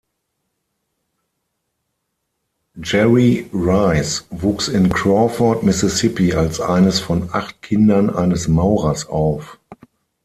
Jerry Rice wuchs in Crawford, Mississippi als eines von acht Kindern eines Maurers auf.